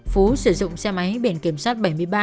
phú sử dụng xe máy biển kiểm soát bảy mươi ba